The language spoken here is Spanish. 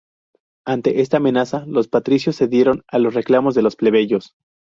Ante esta amenaza, los patricios cedieron a los reclamos de los plebeyos.